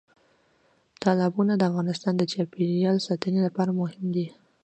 تالابونه د افغانستان د چاپیریال ساتنې لپاره مهم دي.